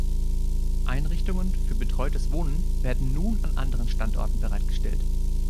Einrichtungen für betreutes Wohnen werden nun an anderen Standorten bereitgestellt.